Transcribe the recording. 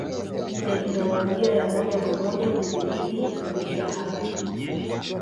Teknolojia ya moja kwa moja kudhibiti hufundishwa hapa